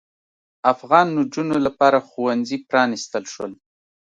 افغان نجونو لپاره ښوونځي پرانیستل شول.